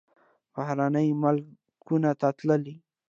بهرنیو ملکونو ته تللی.